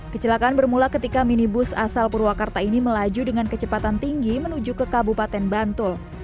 kecelakaan bermula ketika minibus asal purwakarta ini melaju dengan kecepatan tinggi menuju ke kabupaten bantul